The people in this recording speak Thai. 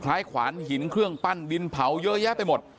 ขวานหินเครื่องปั้นดินเผาเยอะแยะไปหมด